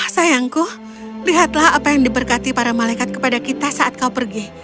sayangku lihatlah apa yang diberkati para malaikat kepada kita saat kau pergi